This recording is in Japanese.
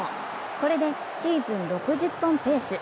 これでシーズン６０本ペース。